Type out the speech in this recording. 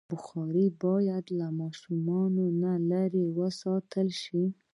بخاري باید له ماشومانو لرې وساتل شي.